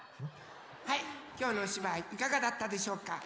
はいきょうのおしばいいかがだったでしょうか？